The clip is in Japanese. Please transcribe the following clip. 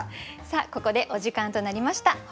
ここでお時間となりました。